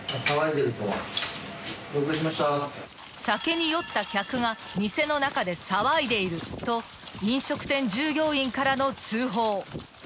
［「酒に酔った客が店の中で騒いでいる」と飲食店従業員からの通報］